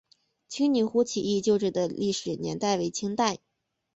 七女湖起义旧址的历史年代为清代。